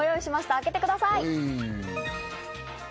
開けてください。